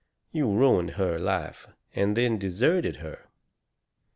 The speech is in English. You ruined her life and then deserted her."